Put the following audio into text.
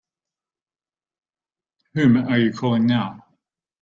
Whom are you calling now?